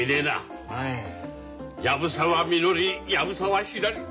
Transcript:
藪沢みのり藪沢ひらり